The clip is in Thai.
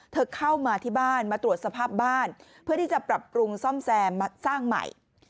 เข้ามาที่บ้านมาตรวจสภาพบ้านเพื่อที่จะปรับปรุงซ่อมแซมสร้างใหม่